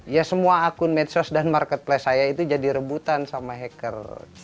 ya semua akun medsos dan marketplace saya itu jadi rebutan sama hacker